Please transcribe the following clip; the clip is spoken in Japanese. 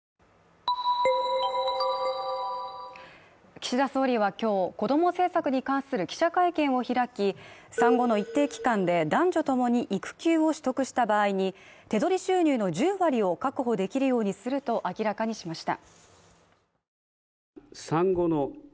岸田総理は今日こども政策に関する記者会見を開き、産後の一定期間で男女ともに育休を取得した場合に手取り収入の１０割を確保できるようにすると明らかにしました。